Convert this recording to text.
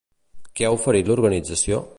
Què ha oferit l'organització?